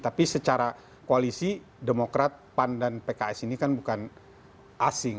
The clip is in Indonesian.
tapi secara koalisi demokrat pan dan pks ini kan bukan asing